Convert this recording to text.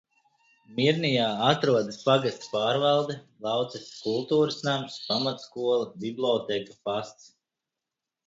Mirnijā atrodas pagasta pārvalde, Laucesas kultūras nams, pamatskola, bibliotēka, pasts.